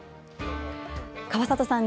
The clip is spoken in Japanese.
川里さん